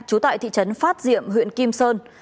trú tại thị trấn phát diệm huyện kim sơn